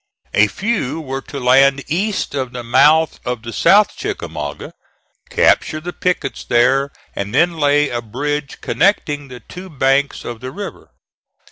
A few were to land east of the mouth of the South Chickamauga, capture the pickets there, and then lay a bridge connecting the two banks of the river.